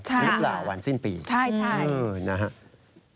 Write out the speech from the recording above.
นึกเหล่าวันสิ้นปีนะฮะใช่